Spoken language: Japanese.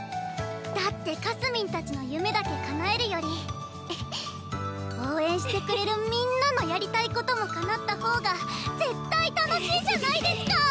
だってかすみんたちの夢だけ叶えるより応援してくれるみんなのやりたいことも叶った方が絶対楽しいじゃないですか！